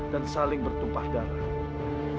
dan saling bertumpah darah